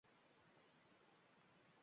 Balki aybingiz o‘zingizga bilinmas.